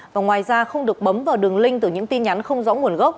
và ngoài ra không được bấm vào đường link từ những tin nhắn không rõ nguồn gốc